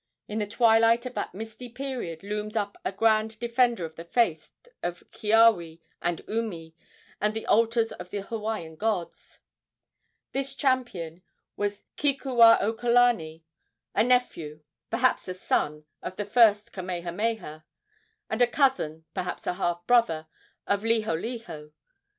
In the twilight of that misty period looms up a grand defender of the faith of Keawe and Umi and the altars of the Hawaiian gods. This champion was Kekuaokalani, a nephew, perhaps a son, of the first Kamehameha, and a cousin, perhaps a half brother, of Liholiho.